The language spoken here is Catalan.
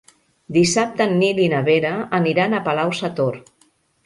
Dissabte en Nil i na Vera aniran a Palau-sator.